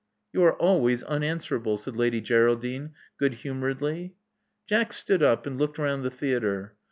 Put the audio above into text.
You are always unanswerable," said Lady Geral dine, good humoredly. Jack stood up and looked round the theatre.